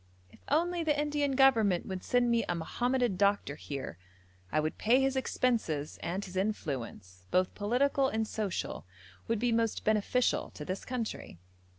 'If only the Indian Government would send me a Mohammedan doctor here, I would pay his expenses, and his influence, both political and social, would be most beneficial to this country.'